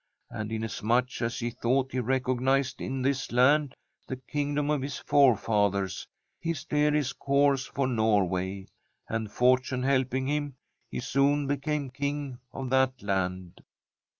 And inasmuch as he thought he recognised in this land the kingdom of his forefathers, he steered his course for Nor way, and, fortune helping him, he soon became King of that land.